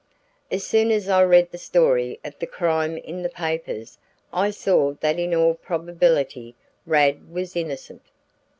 As soon as I read the story of the crime in the papers I saw that in all probability Rad was innocent.